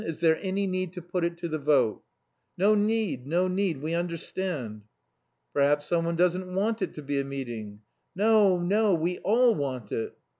Is there any need to put it to the vote?" "No need no need, we understand." "Perhaps someone doesn't want it to be a meeting?" "No, no; we all want it."